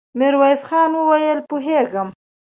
ميرويس خان وويل: پوهېږم.